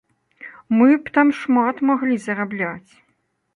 Мы б там шмат маглі зарабляць!